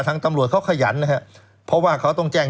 ทั้งตำรวจเขาขยันเพราะต้องแจ้ง